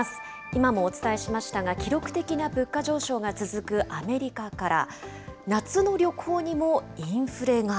今もお伝えしましたが、記録的な物価上昇が続くアメリカから、夏の旅行にもインフレが。